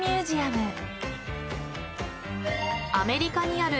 ［アメリカにある］